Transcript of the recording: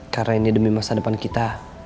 karena ini demi masa depan kita